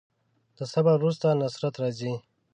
د صبر وروسته نصرت راځي.